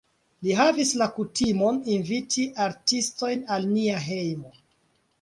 Li havis la kutimon inviti artistojn al nia hejmo.